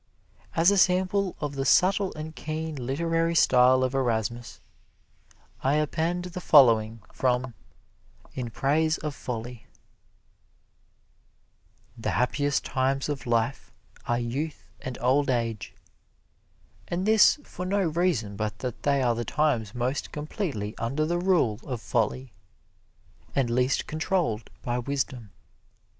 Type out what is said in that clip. As a sample of the subtle and keen literary style of Erasmus, I append the following from "In Praise of Folly:" The happiest times of life are youth and old age, and this for no reason but that they are the times most completely under the rule of folly, and least controlled by wisdom.